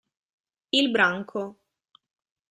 Il branco